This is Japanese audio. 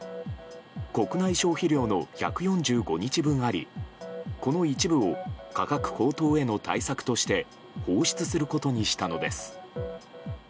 国内消費量の１４５日分ありこの一部を価格高騰への対策として放出することにしたのです。